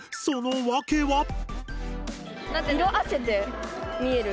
その訳は？